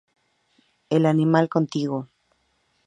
El animal contigo".